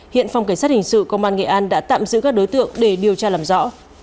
hiện phòng cảnh sát hình sự công an nghệ an đã tạm giữ các đối tượng để điều tra làm rõ